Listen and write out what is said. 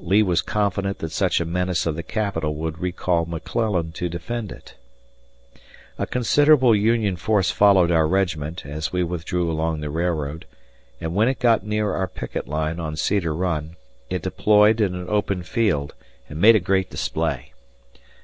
Lee was confident that such a menace of the capital would recall McClellan to defend it. A considerable Union force followed our regiment as we withdrew along the railroad, and when it got near our picket line on Cedar Run, it deployed in an open field and made a great display.